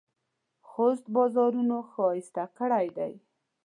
خوست بارانونو ښایسته کړی دی.